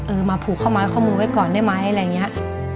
เออมาผูกเข้ามือไว้ก่อนได้ไหมอะไรอย่างเงี้ย